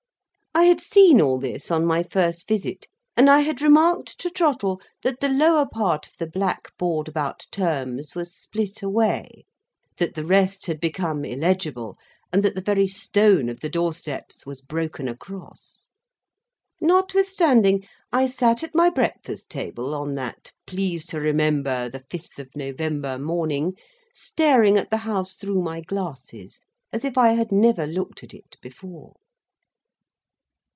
I had seen all this on my first visit, and I had remarked to Trottle, that the lower part of the black board about terms was split away; that the rest had become illegible, and that the very stone of the door steps was broken across. Notwithstanding, I sat at my breakfast table on that Please to Remember the fifth of November morning, staring at the House through my glasses, as if I had never looked at it before.